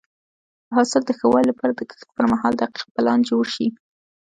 د حاصل د ښه والي لپاره د کښت پر مهال دقیق پلان جوړ شي.